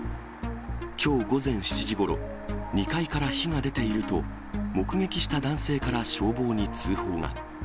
きょう午前７時ごろ、２階から火が出ていると、目撃した男性から消防に通報が。